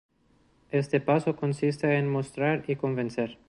Este paso consiste en mostrar y convencer.